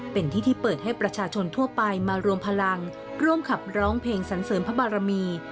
เป็นที่ที่เปิดให้ประชาชนทั่วไปมารวมพลังร่วมขับร้องเพลงสันเสริมพระบารมี